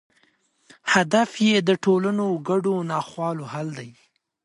هدف یې د ټولنو ګډو ناخوالو حل دی.